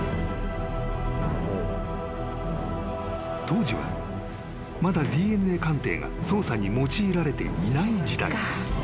［当時はまだＤＮＡ鑑定が捜査に用いられていない時代］